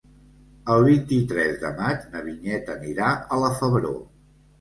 El vint-i-tres de maig na Vinyet anirà a la Febró.